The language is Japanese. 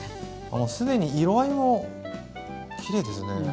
あもう既に色合いもきれいですね！